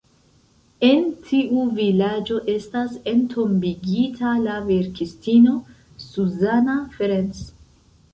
En tiu vilaĝo estas entombigita la verkistino Zsuzsanna Ferencz.